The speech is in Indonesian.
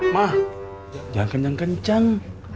ma jangan kenceng kenceng